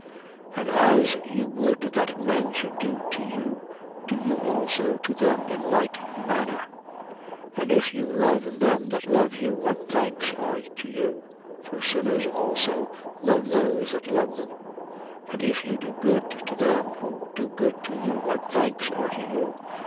6:31. And as you would that men should do to you, do you also to them in like manner. 6:32. And if you love them that love you, what thanks are to you? For sinners also love those that love them. 6:33. And if you do good to them who do good to you, what thanks are to you?